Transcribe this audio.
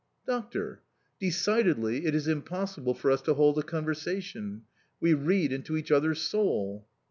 "Doctor! Decidedly it is impossible for us to hold a conversation! We read into each other's soul."